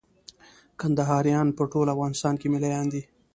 کندهاريان په ټول افغانستان کښي مېله يان دي.